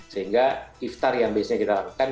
sehingga iftar yang biasanya kita lakukan